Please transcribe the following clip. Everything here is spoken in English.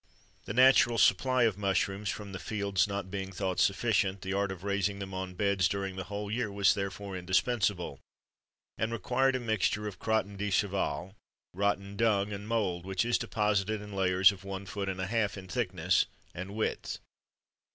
The natural supply of mushrooms from the fields not being thought sufficient, the art of raising them on beds during the whole year was therefore indispensable, and required a mixture of crottin de cheval, rotten dung, and mould, which is deposited in layers of one foot and a half in thickness and width.